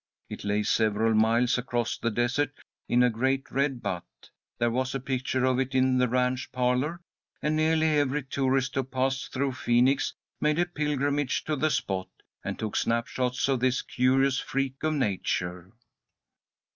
It lay several miles across the desert, in a great red butte. There was a picture of it in the ranch parlour, and nearly every tourist who passed through Phoenix made a pilgrimage to the spot, and took snap shots of this curious freak of nature.